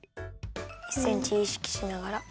１センチいしきしながら。